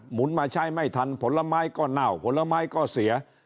หุนมาใช้ไม่ทันผลไม้ก็เน่าผลไม้ก็เสีย